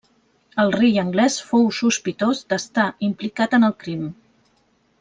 El rei anglès fou sospitós d'estar implicat en el crim.